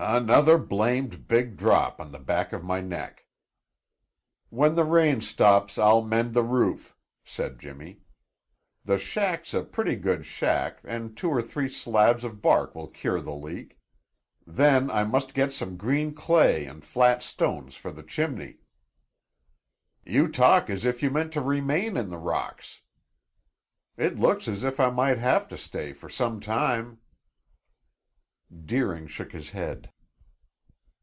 "Another blamed big drop on the back of my neck!" "When the rain stops I'll mend the roof," said Jimmy. "The shack's a pretty good shack and two or three slabs of bark will cure the leak. Then I must get some green clay and flat stones for the chimney." "You talk as if you meant to remain in the rocks!" "It looks as if I might have to stay for some time." Deering shook his head.